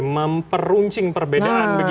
memperuncing perbedaan begitu ya